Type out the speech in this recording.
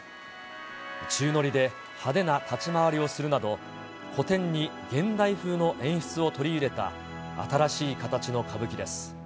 宙乗りで派手な立ち回りをするなど、古典に現代風の演出を取り入れた新しい形の歌舞伎です。